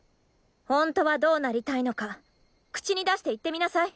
ほんとはどうなりたいのか口に出して言ってみなさい！